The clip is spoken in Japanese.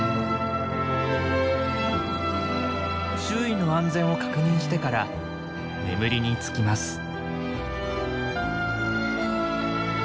周囲の安全を確認してから眠りにつきます。